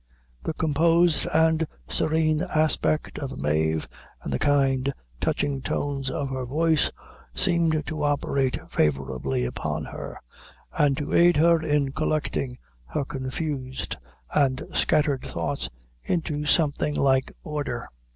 The composed and serene aspect of Mave, and the kind, touching tones of her voice, seemed to operate favorably upon her, and to aid her in collecting her confused and scattered thoughts into something like order.